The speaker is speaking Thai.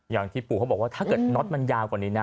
อย่างที่ปู่เขาบอกว่าถ้าเกิดน็อตมันยาวกว่านี้นะ